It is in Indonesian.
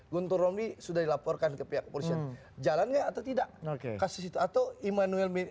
guntur romli sudah dilaporkan ke pihak kepolisian jalan nggak atau tidak kasus itu atau immanuel